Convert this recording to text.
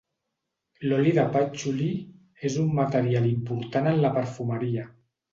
L'oli de pàtxuli és un material important en la perfumeria.